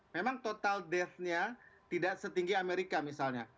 memang total death nya tidak setinggi amerika misalnya